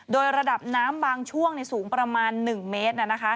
โดยระดับน้ำบางช่วงสูงประมาณ๑เมตร